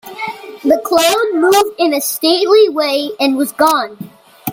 The cloud moved in a stately way and was gone.